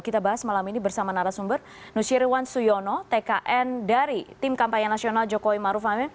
kita bahas malam ini bersama narasumber nusyirwan suyono tkn dari tim kampanye nasional jokowi maruf amin